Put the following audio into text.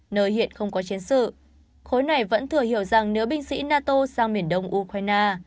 nơi hiện không có chiến sự khối này vẫn thừa hiểu rằng nếu binh sĩ nato sang miền đông ukraine